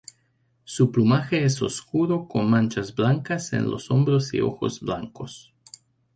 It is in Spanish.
Su plumaje es oscuro con manchas blancas en los hombros y ojos blancos.